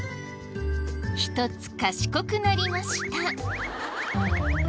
一つ賢くなりました。